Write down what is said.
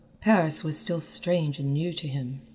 Paris was still strange and new to him.